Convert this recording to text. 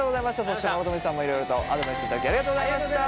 そして諸富さんもいろいろとアドバイスいただきありがとうございました。